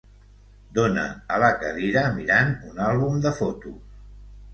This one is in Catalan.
Dona a la cadira mirant un àlbum de fotos.